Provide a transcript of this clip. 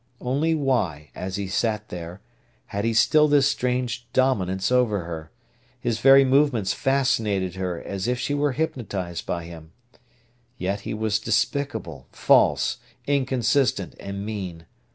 Only why, as he sat there, had he still this strange dominance over her? His very movements fascinated her as if she were hypnotised by him. Yet he was despicable, false, inconsistent, and mean.